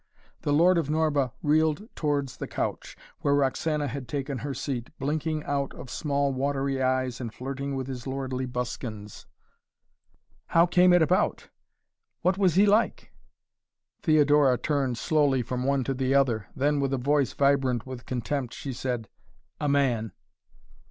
The Lord of Norba reeled towards the couch, where Roxana had taken her seat, blinking out of small watery eyes and flirting with his lordly buskins. "How came it about?" "What was he like?" Theodora turned slowly from the one to the other. Then with a voice vibrant with contempt she said: "A man!"